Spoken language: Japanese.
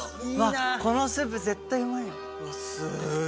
このスープ絶対うまいよ。